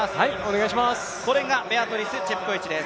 これがベアトリス・チェプコエチです。